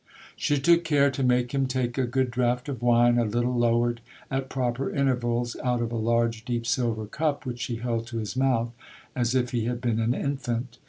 She took care to make him take a good draught of wine, a little lowered at proper intervals, out of a large, deep, silver cup, which she held to his mouth, as if he had been an infant.